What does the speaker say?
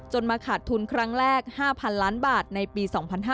มาขาดทุนครั้งแรก๕๐๐๐ล้านบาทในปี๒๕๕๙